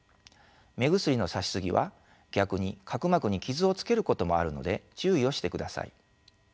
目薬のさし過ぎは逆に角膜に傷をつけることもあるので注意をしてください。